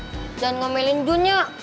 jangan ngomelin jun ya